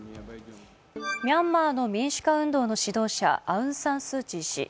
ミャンマーの民主化運動の指導者、アウン・サン・スー・チー氏。